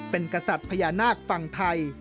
เป็นกษัตริย์พญานาคฝั่งไทย